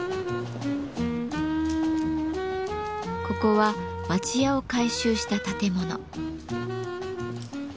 ここは町家を改修した建物。